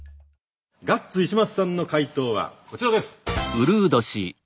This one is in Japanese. ガッツ石松さんの解答はこちらです。